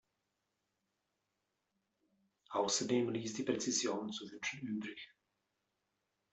Außerdem ließ die Präzision zu wünschen übrig.